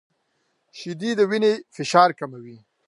• شیدې د وینې فشار کموي.